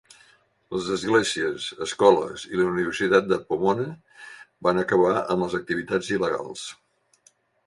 Les esglésies, escoles i la Universitat de Pomona van acabar amb les activitats il·legals.